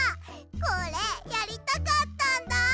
これやりたかったんだ！